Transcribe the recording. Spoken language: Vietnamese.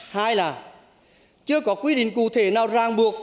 hai là chưa có quy định cụ thể nào ràng buộc